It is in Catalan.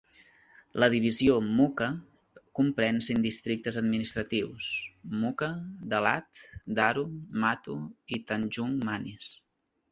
La divisió Mukah comprèn cinc districtes administratius: Mukah, Dalat, Daro, Matu i Tanjung Manis.